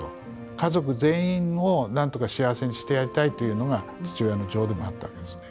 家族全員をなんとか幸せにしてやりたいというのが父親の情でもあったわけですね。